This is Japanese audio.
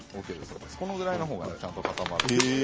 このぐらいの方がちゃんと固まります。